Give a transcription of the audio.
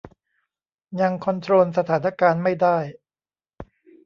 ยังคอนโทรลสถานการณ์ไม่ได้